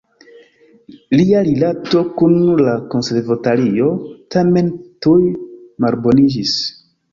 Lia rilato kun la konservatorio tamen tuj malboniĝis.